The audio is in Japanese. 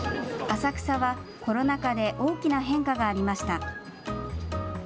浅草はコロナ禍で大きな変化がありました。